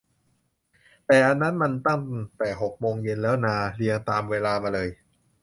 แต่อันนั้นมันตั้งแต่หกโมงเย็นแล้วนา เรียงตามเวลามาเลย